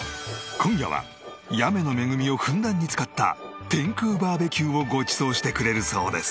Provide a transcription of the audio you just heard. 今夜は八女の恵みをふんだんに使った天空バーベキューをごちそうしてくれるそうです。